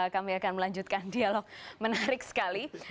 kami akan melanjutkan dialog menarik sekali